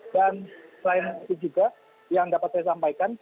dan selain itu juga yang dapat saya sampaikan